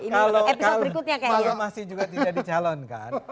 kalau konfirmasi juga tidak dicalonkan